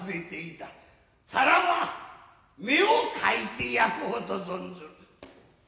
さらば目をかいて焼こうと存ずる。